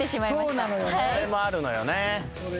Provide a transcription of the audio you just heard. それもあるのよね。